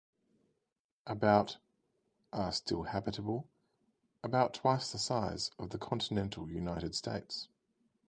About are still habitable - about twice the size of the continental United States.